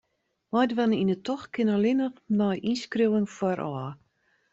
Meidwaan oan 'e tocht kin allinnich nei ynskriuwing foarôf.